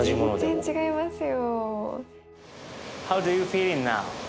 全然違いますよ。